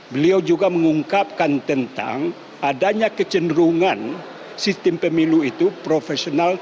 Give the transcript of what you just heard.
beliau juga mengungkapkan tentang adanya kecenderungan sistem pemilu itu profesional